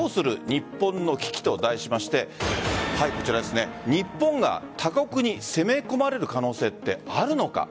日本の危機と題しまして日本が他国に攻め込まれる可能性ってあるのか？